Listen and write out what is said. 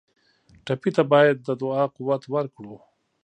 ټپي ته باید د دعا قوت ورکړو.